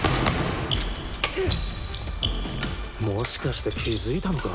もしかして気付いたのか？